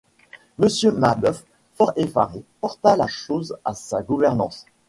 Monsieur Mabeuf, fort effaré, porta la chose à sa gouvernante.